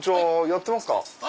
やってますか？